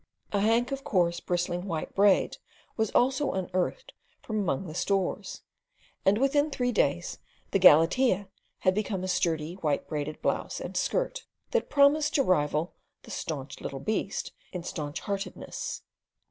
A hank of coarse, bristling white braid was also unearthed from among the stores, and within three days the galatea had become a sturdy white braided blouse and skirt, that promised to rival the "staunch little beast" in staunch heartedness.